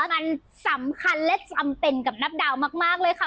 มันสำคัญและจำเป็นกับนับดาวมากเลยค่ะ